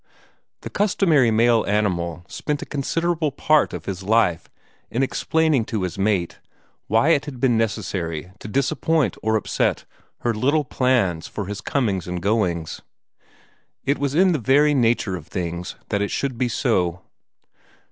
The customary male animal spent a considerable part of his life in explaining to his mate why it had been necessary to disappoint or upset her little plans for his comings and goings. It was in the very nature of things that it should be so.